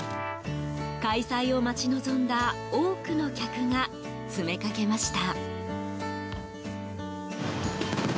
開催を待ち望んだ多くの客が詰めかけました。